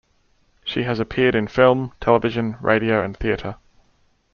She has appeared in film, television, radio and theatre.